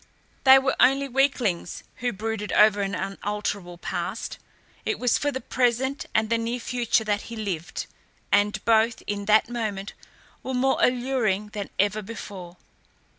They were only weaklings who brooded over an unalterable past. It was for the present and the near future that he lived, and both, in that moment, were more alluring than ever before.